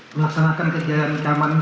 melaksanakan kegiatan keamanan